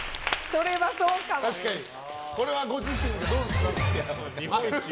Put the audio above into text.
これはご自身でどうですか？